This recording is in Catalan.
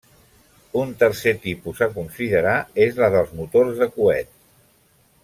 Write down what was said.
Un tercer tipus a considerar és la dels motors de coet.